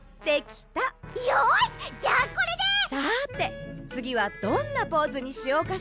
さてつぎはどんなポーズにしようかしら。